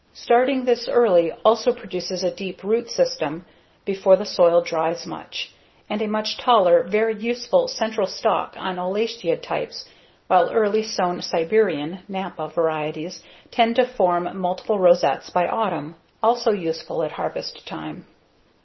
Starting this early also produces a deep root system before the soil dries much, and a much taller, very useful central stalk on oleracea types, while early sown Siberian (Napa) varieties tend to form multiple rosettes by autumn, also useful at harvest time.